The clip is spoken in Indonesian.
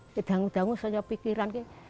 ngek dangu dangu sanya pikiran kek